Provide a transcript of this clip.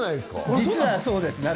実はそうです。